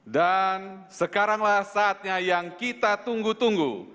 dan sekaranglah saatnya yang kita tunggu tunggu